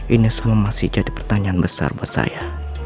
ini masih menjadi pertanyaan besar buat saya